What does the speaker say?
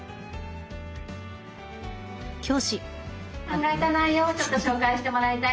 考えた内容をちょっと紹介してもらいたいなと思います